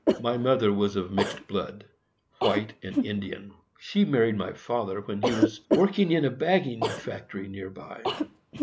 My mother was of mixed blood,—white and Indian. She married my father when he was working in a bagging factory near by.